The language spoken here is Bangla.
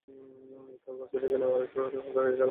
তাঁরা বাস থেকে নামার একটু পরেই ফাঁকা পেয়ে চালক সামনে এগিয়ে যান।